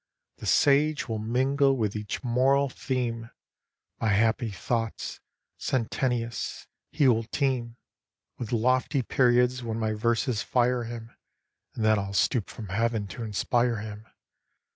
The sage will mingle with each moral theme My happy thoughts sententious ; he will teem With lofty periods \\hen my verses fire him. And then I'll stoop from heaven to inspire him.